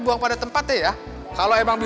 biar ketika hari hah kalian pin